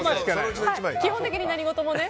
基本的に何事もね。